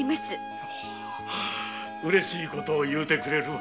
うれしい事を言うてくれるわ。